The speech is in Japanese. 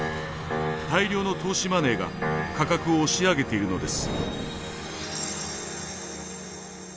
大量の投資マネーが価格を押し上げているのです。